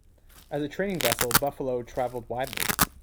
As a training vessel, "Buffalo" traveled widely.